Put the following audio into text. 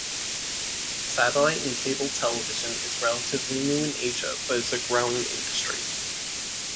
Satellite and cable television is relatively new in Asia, but is a growing industry.